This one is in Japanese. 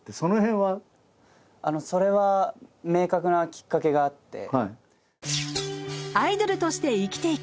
それは明確なきっかけがあって。